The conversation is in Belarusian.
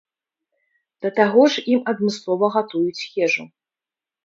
Да таго ж ім адмыслова гатуюць ежу.